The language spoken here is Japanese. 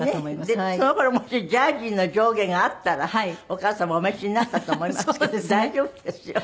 その頃もしジャージーの上下があったらお母様お召しになったと思いますから大丈夫ですよ。